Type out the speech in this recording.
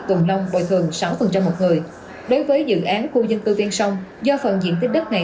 tùm lông bồi thường sáu một người đối với dự án khu dân tư tuyên sông do phần diện tích đất này